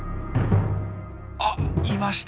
あっいました。